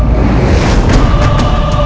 dan menghentikan raiber